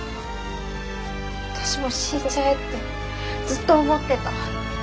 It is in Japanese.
私も死んじゃえってずっと思ってた。